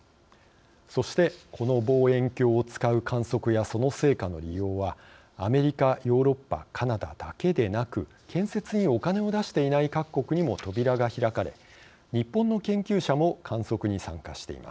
そしてこの望遠鏡を使う観測やその成果の利用はアメリカヨーロッパカナダだけでなく建設にお金を出していない各国にも扉が開かれ日本の研究者も観測に参加しています。